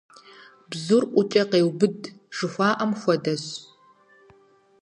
Бзур ӀукӀэ къеубыд, жыхуаӀэм хуэдэщ.